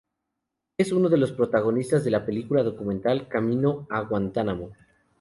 Es uno de los protagonistas de la película documental "Camino a Guantánamo".